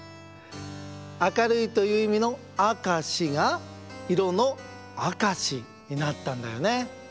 明るいといういみの明しがいろの「赤し」になったんだよね。